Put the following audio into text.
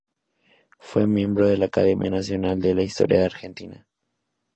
Fue miembro de la Academia Nacional de Historia de Argentina.